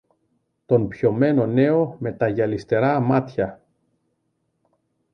τον πιωμένο νέο με τα γυαλιστερά μάτια